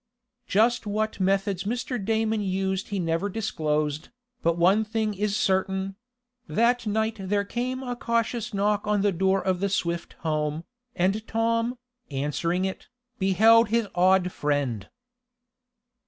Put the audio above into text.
Just what methods Mr. Damon used he never disclosed, but one thing is certain: That night there came a cautious knock on the door of the Swift home, and Tom, answering it, beheld his odd friend.